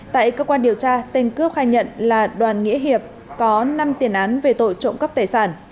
tại cơ quan điều tra tên cướp khai nhận là đoàn nghĩa hiệp có năm tiền án về tội trộm cắp tài sản